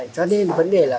cho nên vấn đề là